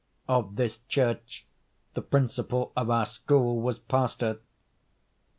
Of this church the principal of our school was pastor.